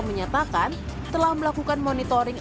menyatakan telah melakukan monitoring